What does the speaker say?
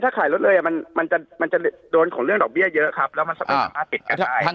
ถ้าขายรถเลยมันมันจะมันจะโดนของเรื่องดอกเบี้ยเยอะครับแล้ว